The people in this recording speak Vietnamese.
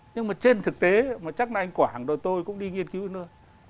nhưng mà trên thực tế mà chắc là anh quảng rồi tôi cũng đi nghiên cứu nữa